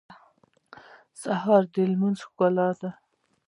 سهار د لمونځ ښکلا ده.